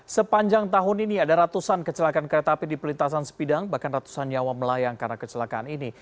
sepanjang tahun ini ada ratusan kecelakaan kereta api di perlintasan sepidang bahkan ratusan nyawa melayang karena kecelakaan ini